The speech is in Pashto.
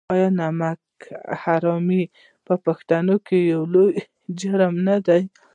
آیا نمک حرامي په پښتنو کې لوی جرم نه دی؟